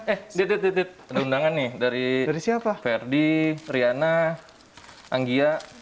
eh dititit dititit ada undangan nih dari verdi riana anggia